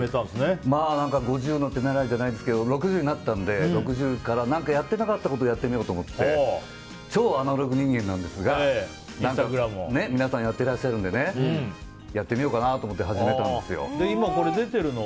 五十の手習いじゃないですけど６０になったのでやってなかったことをやってみようと思って超アナログ人間なんですが皆さん、やってらっしゃるんでやってみようかなと思って始めたんですよ。